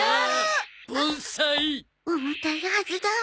重たいはずだわ。